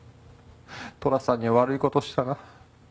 寅さんに悪い事したな。